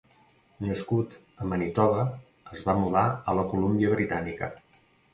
Nascut a Manitoba, es va mudar a la Colúmbia Britànica.